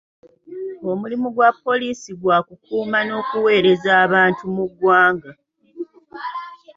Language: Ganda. Omulimu gwa poliisi gwa kukuuma n'okuweereza abantu mu ggwanga.